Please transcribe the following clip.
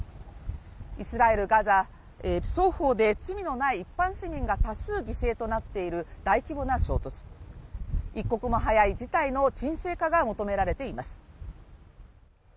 イスラエル・ガザ双方で罪のない一般市民が多数犠牲となっている大規模な衝突一刻も早い事態の沈静化が求められています